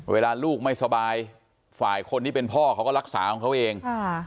เวลาลูกไม่สบายฝ่ายคนที่เป็นพ่อเขาก็รักษาของเขาเอง